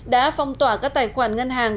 đã phong tỏa các tài khoản ngân hàng